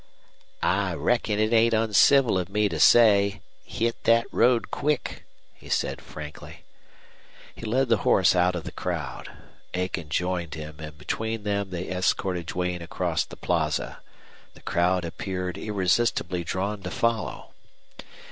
"I reckon it ain't uncivil of me to say hit that road quick!" he said, frankly. He led the horse out of the crowd. Aiken joined him, and between them they escorted Duane across the plaza. The crowd appeared irresistibly drawn to follow.